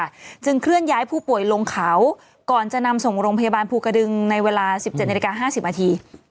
ท่องเที่ยวเป็นเครื่องย้ายผู้ป่วยลงเขาก่อนจะนำส่งลงพยาบาลภูกระดึงในเวลา๑๗นาที๕๐นาที